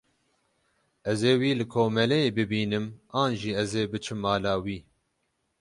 Ez ê wî li komeleyê bibînim an jî ez ê biçim mala wî.